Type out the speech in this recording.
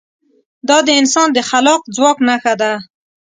دا د انسان د خلاق ځواک نښه ده.